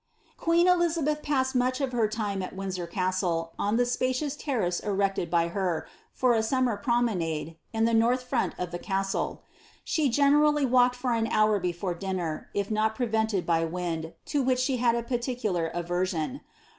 Queen Elizabeth passed much of her time at Windsor Castle, on the ipscious terrace erected by her, for a summer promenade, in the north front of the castle. She generally walked for an hour before dinner, if nnt prevented by wind, to which she had a particular aversion.